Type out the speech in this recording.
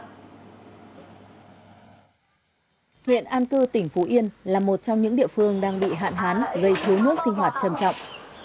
huyện an cư tỉnh phú yên là một trong những địa phương đang bị hạn hán gây thiếu nước sinh hoạt trầm trọng